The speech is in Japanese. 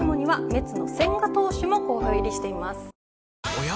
おや？